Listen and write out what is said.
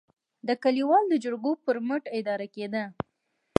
د کلیوالو د جرګو پر مټ اداره کېدل.